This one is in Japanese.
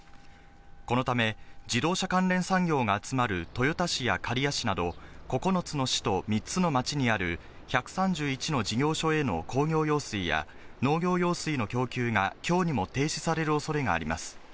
このため、自動車関連産業が集まる豊田市や刈谷市など、９つの市と３つの町にある１３１の事業所への工業用水や農業用水の供給がきょうにも停止されるおそれがあります。